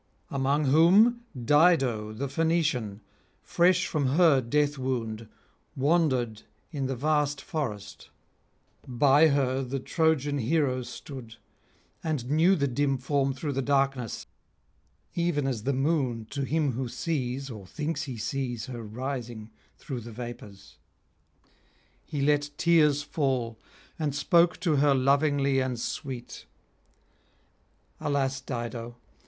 Among whom Dido the Phoenician, fresh from her death wound, wandered in the vast forest; by her the Trojan hero stood, and knew the dim form through the darkness, even as the moon at the month's beginning to him who sees or thinks he sees her rising through the vapours; he let tears fall, and spoke to her lovingly and sweet: 'Alas, Dido!